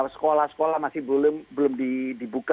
sekolah sekolah masih belum dibuka